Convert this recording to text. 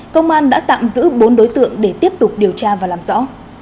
công an đã tạm giữ bốn đối tượng để tiếp tục điều tra và làm rõ